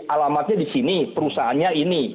alamatnya di sini perusahaannya ini